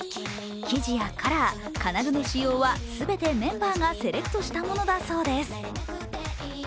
生地やカラー、金具の仕様は全てメンバーがセレクトしたものだそうです。